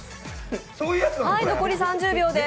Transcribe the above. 残り３０秒です。